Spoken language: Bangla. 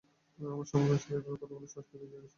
আমার সহকর্মীদের সাথে এভাবে কথা বলার সাহস কে দিয়েছে এসব কী?